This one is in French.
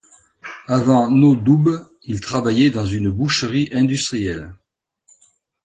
Avant No Doubt il travaillait dans une boucherie industrielle.